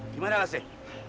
gimana lah seh